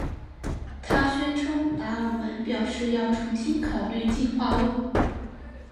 她宣称达尔文表示要重新考虑进化论。